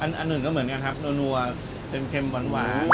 อันหนึ่งก็เหมือนกันครับนัวเค็มหวาน